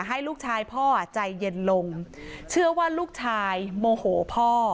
ให้ลูกชายพ่อใจเย็นลงเชื่อว่าลูกชายโมโหพ่อ